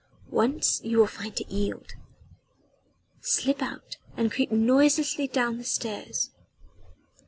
Once you will find it yield. Slip out and creep noiselessly down the stairs.